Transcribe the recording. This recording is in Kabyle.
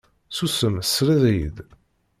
Susem tesleḍ-iyi-d.